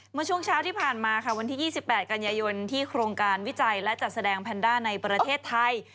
เมื่อช่วงเช้าที่ผ่านมาค่ะวันที่๒๘กันยายนที่โครงการวิจัยและจัดแสดงแพนด้าในประเทศไทย